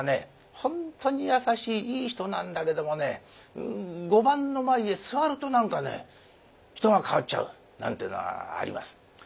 本当に優しいいい人なんだけどもね碁盤の前へ座ると何かね人が変わっちゃうなんてえのはあります。